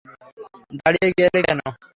দাড়িঁয়ে গেলে কেন?